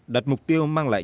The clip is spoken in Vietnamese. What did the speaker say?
đặt mục tiêu mang lại